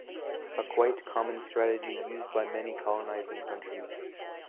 A quite common strategy used by many colonizing countries.